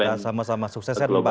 kita sama sama sukses ya pak